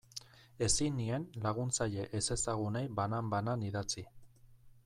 Ezin nien laguntzaile ezezagunei banan-banan idatzi.